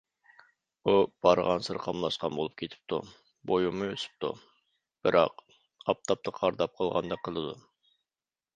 ئۇ بارغانسېرى قاملاشقان بولۇپ كېتىپتۇ، بويىمۇ ئۆسۈپتۇ، بىراق ئاپتاپتا قارىداپ قالغاندەك قىلىدۇ.